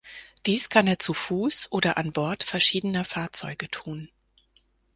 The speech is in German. Dies kann er zu Fuß oder an Bord verschiedener Fahrzeuge tun.